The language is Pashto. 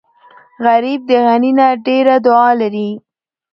غریب د غني نه ډېره دعا لري